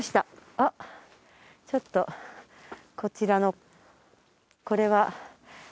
あっちょっとこちらの。